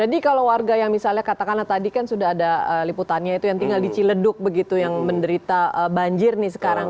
jadi kalau warga yang misalnya katakanlah tadi kan sudah ada liputannya itu yang tinggal di ciledug begitu yang menderita banjir nih sekarang